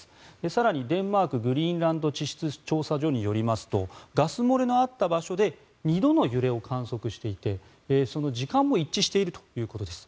更にデンマーク・グリーンランド地質調査所によりますとガス漏れのあった場所で２度の揺れを観測していてその時間も一致しているということです。